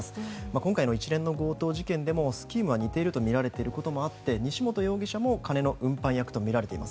今回の一連の強盗事件でもスキームは似ているとみられていることもあって西本容疑者も金の運搬役とみられています。